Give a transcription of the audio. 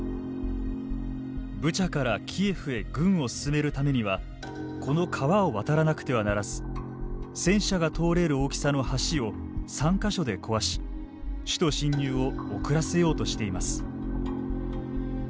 ブチャからキエフへ軍を進めるためにはこの川を渡らなくてはならず戦車が通れる大きさの橋を３か所で壊し首都侵入を遅らせようとしています。